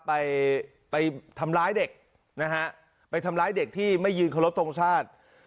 ไปไปทำร้ายเด็กนะฮะไปทำร้ายเด็กที่ไม่ยืนเคารพทรงชาติ